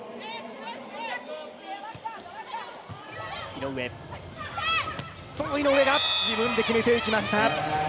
井上が自分で決めていきました。